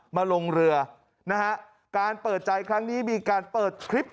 มาลงเรือนะฮะการเปิดใจครั้งนี้มีการเปิดคลิป